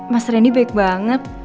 mas reni baik banget